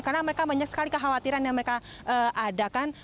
karena mereka banyak sekali kekhawatiran yang mereka ada kan